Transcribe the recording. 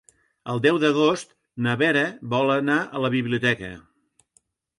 El deu d'agost na Vera vol anar a la biblioteca.